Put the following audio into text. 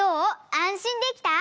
あんしんできた？